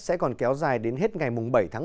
sẽ còn kéo dài đến hết năm hai nghìn một mươi chín